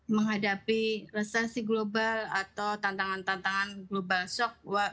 menghadapi resesi global atau tantangan tantangan global shock